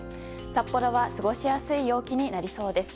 札幌は過ごしやすい陽気になりそうです。